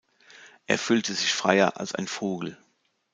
Er fühlte sich freier als ein Vogel.